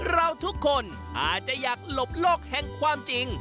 เราทุกคนอาจจะอยากหลบโลกแห่งความจริง